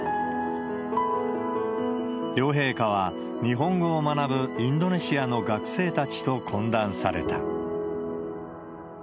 両陛下は日本語を学ぶインドネシアの学生たちと懇談された。